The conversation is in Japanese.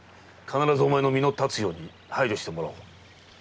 必ずお前の身の立つように配慮してもらう。